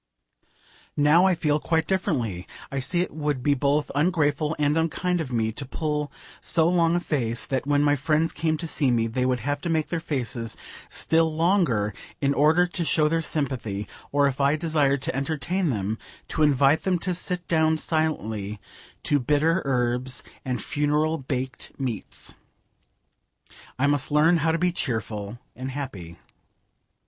Now I feel quite differently. I see it would be both ungrateful and unkind of me to pull so long a face that when my friends came to see me they would have to make their faces still longer in order to show their sympathy; or, if I desired to entertain them, to invite them to sit down silently to bitter herbs and funeral baked meats. I must learn how to be cheerful and happy.